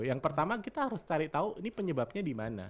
yang pertama kita harus cari tahu ini penyebabnya dimana